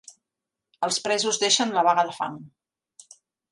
Els presos deixen la vaga de fam